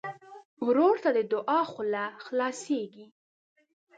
ورور ته د دعا خوله خلاصيږي.